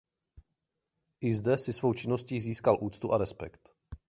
I zde si svou činností získal úctu a respekt.